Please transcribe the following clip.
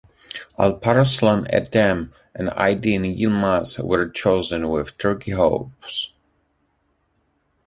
Alparslan Erdem and Aydın Yılmaz were chosen with Turkey hopes.